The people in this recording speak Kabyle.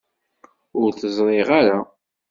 Ur t-ẓriɣ ara.